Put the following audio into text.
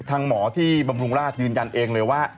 หมอที่บำรุงราชยืนยันเองเลยว่า